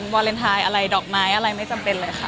วาเลนไทยอะไรดอกไม้อะไรไม่จำเป็นเลยค่ะ